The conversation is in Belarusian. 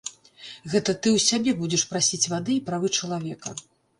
Гэта ты ў сябе будзеш прасіць вады і правы чалавека.